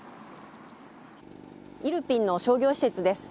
イルピンの商業施設です。